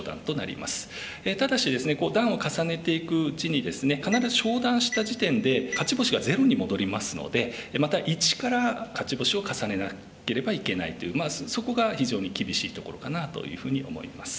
ただしですね段を重ねていくうちにですね必ず昇段した時点で勝ち星がゼロに戻りますのでまた一から勝ち星を重ねなければいけないというそこが非常に厳しいところかなというふうに思います。